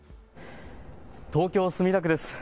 東京墨田区です。